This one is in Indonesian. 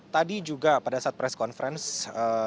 tadi juga pada saat press conference